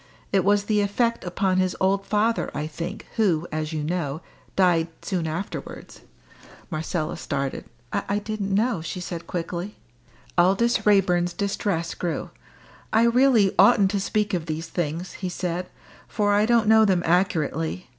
It was the effect upon his old father, I think, who, as you know, died soon afterwards " Marcella started. "I didn't know," she said quickly. Aldous Raeburn's distress grew. "I really oughtn't to speak of these things," he said, "for I don't know them accurately.